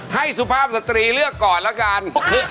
สุภาพสตรีเลือกก่อนแล้วกัน